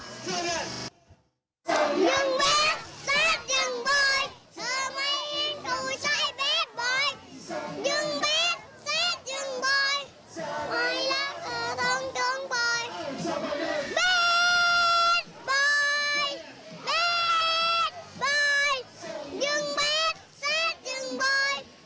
ยึงแบดแซดยึงบอย